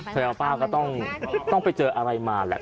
แสดงว่าป้าก็ต้องไปเจออะไรมาแหละ